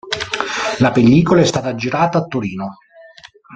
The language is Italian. La pellicola è stata girata a Torino.